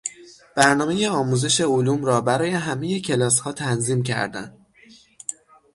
برنامهی آموزش علوم را برای همهی کلاسها تنظیم کردن